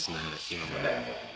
今まで。